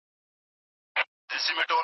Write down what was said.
مجلې او ورځپاڼې هره ورځ چاپیدلې.